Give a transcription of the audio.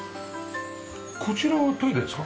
こちらはトイレですか？